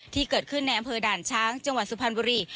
ที่เกิดขึ้นในอำเภอด่านช้างจังหวัดสุพรรณบุรี